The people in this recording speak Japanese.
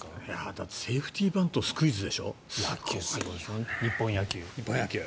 だってセーフティーバントスクイズでしょ、すごいよね。